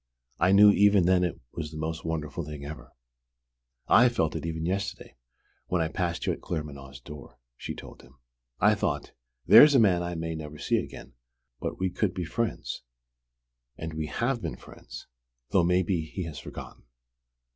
I knew even then it was the most wonderful thing ever!" "I felt it even yesterday, when I passed you at Claremanagh's door," she told him. "I thought: 'There's a man I may never see again, but we could be friends, and we have been friends, though maybe he has forgotten.'